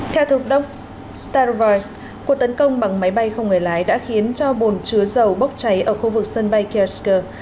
theo thượng đốc starovoy cuộc tấn công bằng máy bay không người lái đã khiến cho bồn chứa dầu bốc cháy ở khu vực sân bay kyrgyzstan